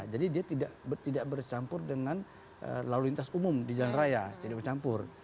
jadi dia tidak bercampur dengan lalu lintas umum di jalan raya tidak bercampur